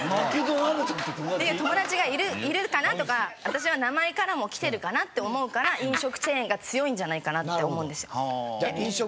私は名前からもきてるかなって思うから飲食チェーンが強いんじゃないかなって思うんですよ。